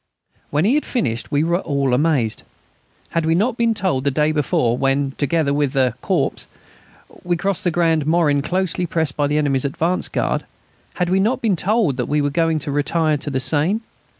When he had finished we were all amazed. Had we not been told the day before when, together with the Corps, we crossed the Grand Morin closely pressed by the enemy's advance guard had we not been told that we were going to retire to the Seine?